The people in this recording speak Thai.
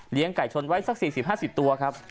เลี้ยงไก่ชนไว้สัก๔๐๕๐ตัวครับ